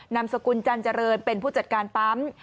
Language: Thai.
นามสกุลจันเจริญเป็นผู้จัดการปั๊ม